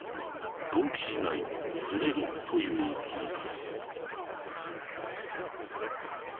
同期しないズレるという意味だ。